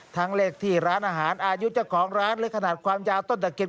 ทั้งเลขที่ร้านอาหารอายุเจ้าของร้านหรือขนาดความยาวต้นตะเคียน